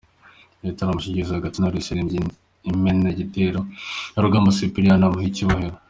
Igitaramo kigeze hagati Knowless yaririmbye Imena gitero ya Rugamba Sipiriyani amuha icyubahiro.